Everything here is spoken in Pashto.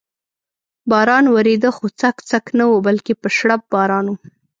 باران ورېده، خو څک څک نه و، بلکې په شړپ باران و.